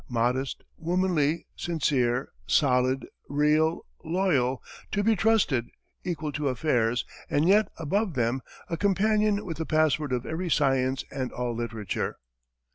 Modest, womanly, sincere, solid, real, loyal, to be trusted, equal to affairs, and yet above them; a companion with the password of every science and all literature."